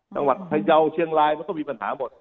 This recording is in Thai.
ถ้างวัดไพรยาวเชียงรายมันก็มีปัญหาหมด